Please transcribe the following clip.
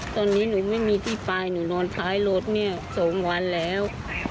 ตอนนี้หนูไม่มีที่ไปหนูนอนท้ายรถเนี่ย๒วันแล้ว